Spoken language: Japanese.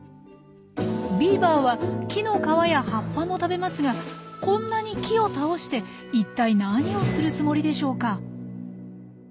ビーバーは木の皮や葉っぱも食べますがこんなに木を倒して一体何をするつもりでしょうか？